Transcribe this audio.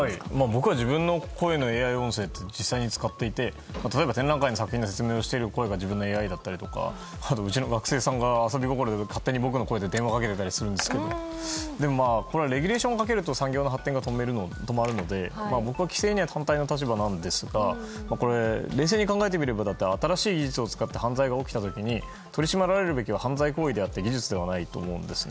僕は自分の声のＡＩ音声を実際に使っていて、例えば展覧会の作品を説明する声が自分のＡＩだったりとかあとはうちの学生さんが遊び心で勝手に僕の声で電話かけたりするんですけどレギュレーションをかけると産業の発展が止まるので僕は規制には反対の立場ですがこれは冷静に考えてみれば新しい技術を使って犯罪が起きた時に取り締まられるべきは犯罪行為であって技術ではないと思うんです。